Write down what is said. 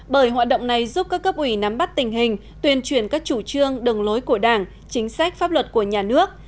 bởi hoạt động này giúp các cấp ủy nắm bắt tình hình tuyên truyền các chủ trương đường lối của đảng chính sách pháp luật của nhà nước